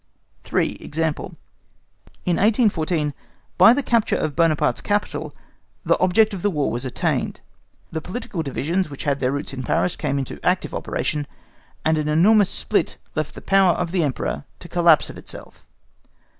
3. EXAMPLE. In 1814, by the capture of Buonaparte's capital the object of the War was attained. The political divisions which had their roots in Paris came into active operation, and an enormous split left the power of the Emperor to collapse of itself.